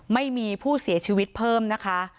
ไม่มีผู้เสียชีวิตเพิ่มนะคะ